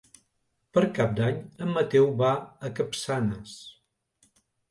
Per Cap d'Any en Mateu va a Capçanes.